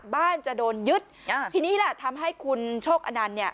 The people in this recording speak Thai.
บ้านจะโดนยึดทีนี้ทำให้คุณโชคอันนัน